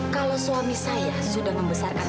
kalau suami saya sudah membesarkan